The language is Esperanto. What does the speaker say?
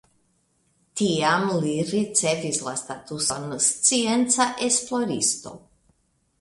Tiam li ricevis la statuson scienca esploristo.